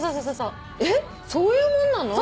えっそういうもんなの？